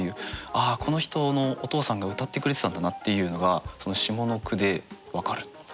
ああこの人のお父さんが歌ってくれてたんだなっていうのが下の句で分かる。